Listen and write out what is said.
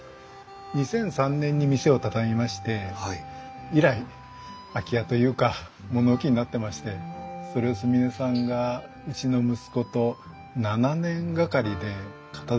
２００３年に店を畳みまして以来空き家というか物置になってましてそれを純音さんがうちの息子と７年がかりで片づけて。